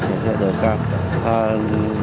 sẽ được truyền thông